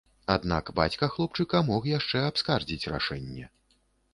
Аднак бацька хлопчыка мог яшчэ абскардзіць рашэнне.